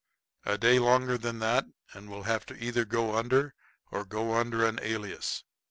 "A day longer than that and we'll have to either go under or go under an alias.